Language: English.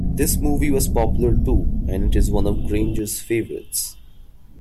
This movie was popular too, and it is one of Granger's favourites.